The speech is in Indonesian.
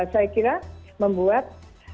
saya kira membuat